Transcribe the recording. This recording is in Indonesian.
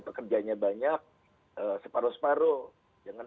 pekerjanya banyak separuh separuh jangan